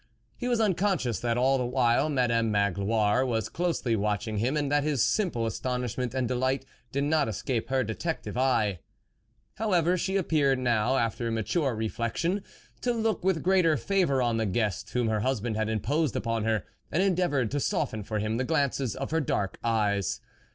He was un conscious that all the while Madame Magloire was closely watching him, and that his simple astonishment and delight did not escape her detective eye. How ever, she appeared now, after mature reflexion, to look with greater favour on the guest whom her husband had imposed upon her, and endeavoured to soften for him the glances of her dark eyes.